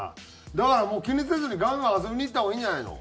だからもう気にせずにガンガン遊びに行った方がいいんじゃないの？